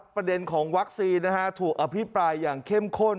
ประเด็นของวัคซีนถูกอภิปรายอย่างเข้มข้น